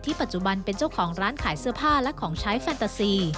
ปัจจุบันเป็นเจ้าของร้านขายเสื้อผ้าและของใช้แฟนตาซี